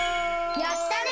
やったね！